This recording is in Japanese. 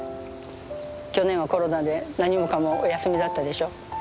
去年はコロナで何もかもお休みだったでしょ。